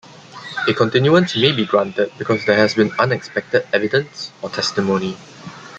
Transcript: A continuance may be granted because there has been unexpected evidence or testimony.